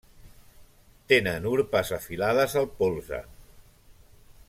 Tenen urpes afilades al polze.